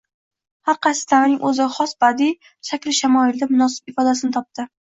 har qaysi davrning o‘ziga xos badiiy shaklu shamoyilida munosib ifodasini topdi.